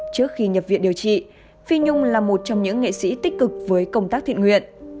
trước khi nhập viện điều trị phi nhung là một trong những nghệ sĩ tích cực với công tác thiện nguyện